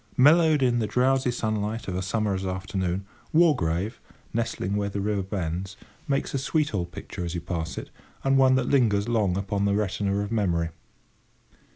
Mellowed in the drowsy sunlight of a summer's afternoon, Wargrave, nestling where the river bends, makes a sweet old picture as you pass it, and one that lingers long upon the retina of memory.